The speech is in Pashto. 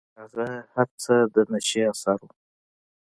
هغه هر څه د نيشې اثر و.